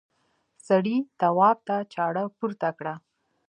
سړي تواب ته چاړه پورته کړه.